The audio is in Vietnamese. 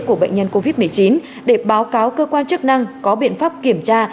của bệnh nhân covid một mươi chín để báo cáo cơ quan chức năng có biện pháp kiểm tra